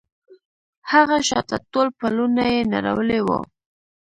هغه شاته ټول پلونه يې نړولي وو.